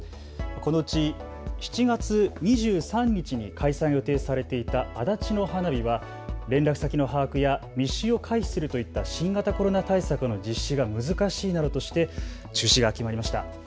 このうち７月２３日に開催が予定されていた足立の花火は連絡先の把握や密集を回避するといった新型コロナ対策の実施が難しいなどとして中止が決まりました。